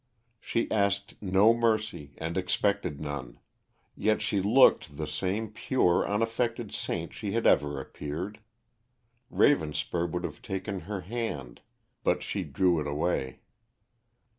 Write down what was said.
She asked no mercy and expected none. Yet she looked the same pure, unaffected saint she had ever appeared. Ravenspur would have taken her hand, but she drew it away.